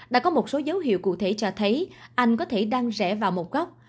đã có một số dấu hiệu cụ thể cho thấy anh có thể đăng rẽ vào một góc